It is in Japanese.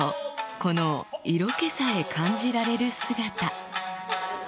この色気さえ感じられる姿